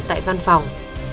tại văn phòng